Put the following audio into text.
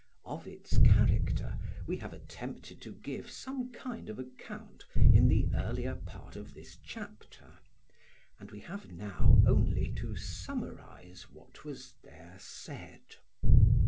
Of its character we have attempted to give some kind of account in the earlier part of this chapter, and we have now only to summarise what was there said.